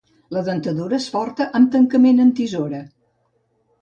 La dentadura és forta, amb tancament en tisora.